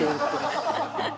ハハハハ！